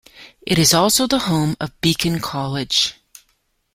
It is also the home of Beacon College.